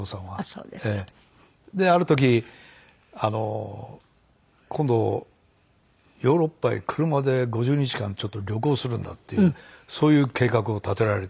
である時「今度ヨーロッパへ車で５０日間ちょっと旅行するんだ」ってそういう計画を立てられて。